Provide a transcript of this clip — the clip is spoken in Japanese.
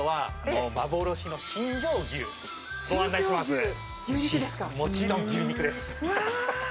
もちろん牛肉ですうわ！